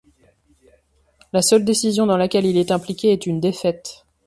La seule décision dans laquelle il est impliqué est une défaite.